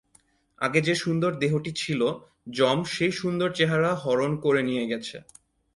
আগে যে সুন্দর দেহটি ছিলো, যম সেই সুন্দর চেহারা হরণ করে নিয়ে গেছে।